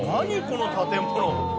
この建物。